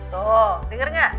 tuh dengar gak